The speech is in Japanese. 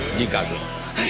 はい！